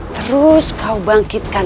terus kau bangkitkan